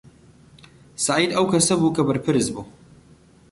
سەعید ئەو کەسە بوو کە بەرپرس بوو.